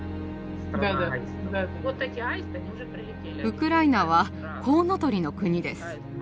ウクライナはコウノトリの国です。